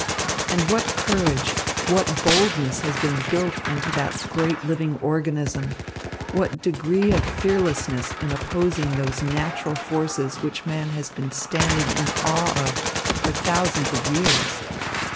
"And what courage, what boldness has been built into that great living organism, what a degree of fearlessness in opposing those natural forces which man has been standing in awe of for thousands of years!